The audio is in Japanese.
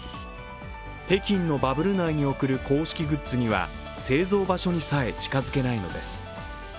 北京のバブル内に送る公式グッズには製造場所にさえ近づけないのです。